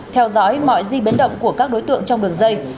theo dõi mọi di biến động của các đối tượng trong đường dây